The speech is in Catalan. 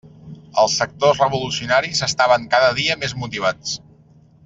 Els sectors revolucionaris estaven cada dia més motivats.